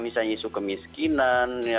misalnya isu kemiskinan